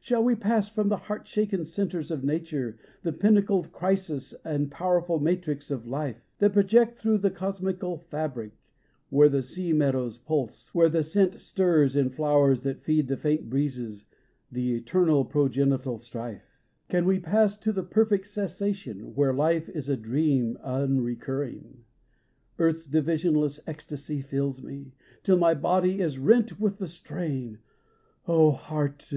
Shall we pass from the heart shaken centres Of nature, the pinnacled crisis and powerful matrix of life, 42 THE GATES OF LIFE That project thro' the cosmical fabric, where the sea meadows pulse, where the scent stirs In flowers that feed the faint breezes, the eternal progenital strife ? Can we pass to the perfect cessation where life is a dream unrecurring ? Earth's divisionless ecstasy fills me, till my body is rent with the strain, Oh, Heart